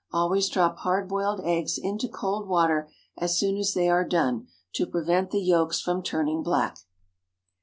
Always drop hard boiled eggs into cold water as soon as they are done, to prevent the yolks from turning black.